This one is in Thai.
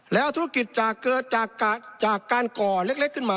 แล้วธุรกิจจะเกิดจากการก่อเล็กขึ้นมา